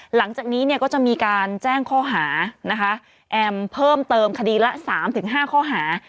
หลังจากนี้เนี่ยก็จะมีการแจ้งข้อหานะคะแอมเพิ่มเติมคดีละ๓๕ข้อหา